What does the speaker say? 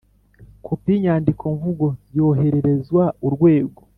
Kopi y inyandikomvugo yohererezwa Urwego